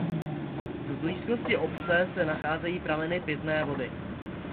V blízkosti obce se nacházejí prameny pitné vody.